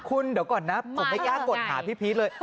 คุณเดี๋ยวก่อนนะผมไม่กล้ากดหาพี่พีชเลย